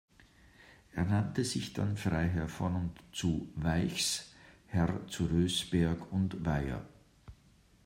Er nannte sich dann Freiherr von und zu Weichs, Herr zu Rösberg und Weyer.